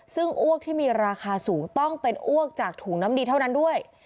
ซึ่งอ้วกที่มีราคาสูงต้องเป็นอ้วกจากถุงน้ำดีเท่านั้นด้วย